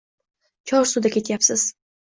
Chorsuda ketyapsiz.